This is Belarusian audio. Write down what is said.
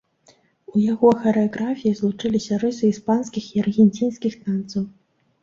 У яго харэаграфіі злучыліся рысы іспанскіх і аргенцінскіх танцаў.